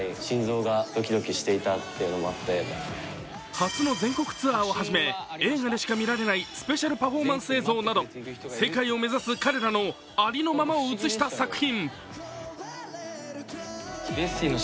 初の全国ツアーをはじめ、映画でしか見られないスペシャルパフォーマンス映像など世界を目指す彼らのありのままを映した作品。